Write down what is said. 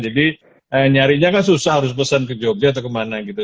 jadi nyarinya kan susah harus pesan ke jogja atau kemana gitu